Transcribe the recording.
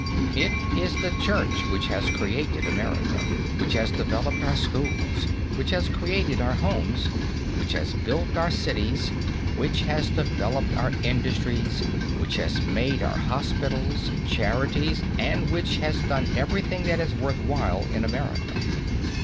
It is the Church which has created America, which has developed our schools, which has created our homes, which has built our cities, which has developed our industries, which has made our hospitals, charities, and which has done everything that is worth while in America.